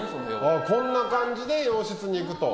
こんな感じで洋室に行くと。